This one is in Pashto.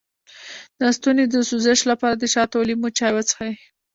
د ستوني د سوزش لپاره د شاتو او لیمو چای وڅښئ